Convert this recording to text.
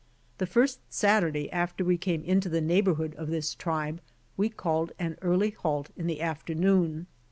The first Siaturday after we came into the neighborhood of this tribe we called an early halt in the afternoon.